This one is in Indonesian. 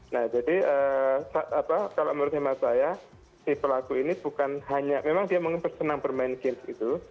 nah jadi kalau menurut hemat saya si pelaku ini bukan hanya memang dia senang bermain games itu